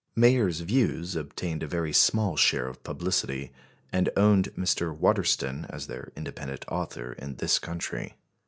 Mayer's views obtained a very small share of publicity, and owned Mr. Waterston as their independent author in this country.